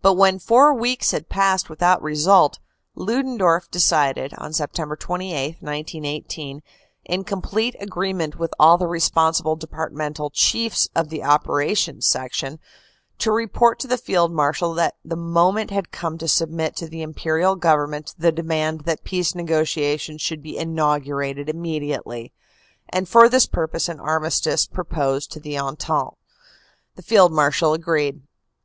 But when four weeks had passed without result, Ludendorff decided, on September 28, 1918, in complete agreement with all the responsible depart mental chiefs of the Operation Section, to report to the Field Marshal that the moment had come to submit to the Imperial Government the demand that peace negotiations should be inaugurated immediately, and for this purpose an armistice proposed to the Entente. The Field Marshal agreed.